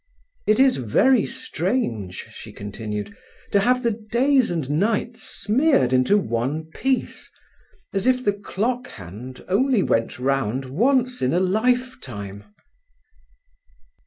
"It is very strange," she continued, "to have the days and nights smeared into one piece, as if the clock hand only went round once in a lifetime."